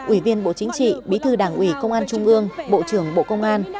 ủy viên bộ chính trị bí thư đảng ủy công an trung ương bộ trưởng bộ công an